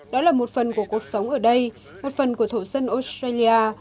đó là một phần của cuộc sống ở đây một phần của thổ dân australia